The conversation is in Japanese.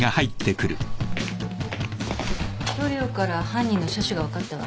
塗料から犯人の車種が分かったわ。